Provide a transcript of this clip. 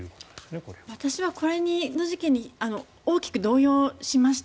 私はこの事件に大きく動揺しました。